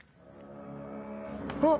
あっ！